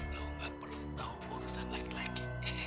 lo gak perlu tahu urusan laki laki